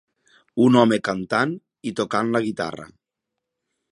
Un home cantant i tocant la guitarra.